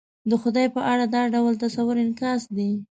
د خدای په اړه دا ډول تصور انعکاس دی.